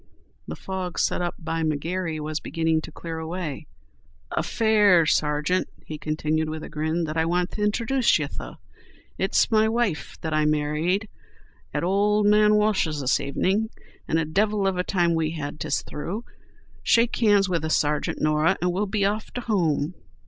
The fog set up by McGary was beginning to clear away. "A fare, sargeant," he continued, with a grin, "that I want to inthroduce to ye. It's me wife that I married at ould man Walsh's this avening. And a divil of a time we had, 'tis thrue. Shake hands wid th' sargeant, Norah, and we'll be off to home."